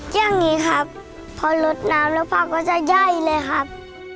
อย่างนี้ครับพอลดน้ำแล้วผักก็จะย่อยเลยครับ